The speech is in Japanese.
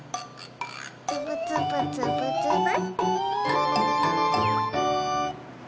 つぶつぶつぶつぶ。